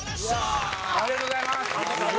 ありがとうございます。